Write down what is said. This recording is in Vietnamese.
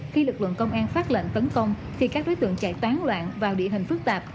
khi lực lượng công an phát lệnh tấn công khi các đối tượng chạy tán loạn vào địa hình phức tạp